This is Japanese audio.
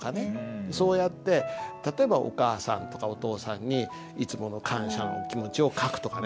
そうやって例えばお母さんとかお父さんにいつもの感謝の気持ちを書くとかね。